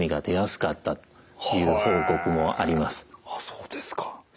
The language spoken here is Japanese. そうですか。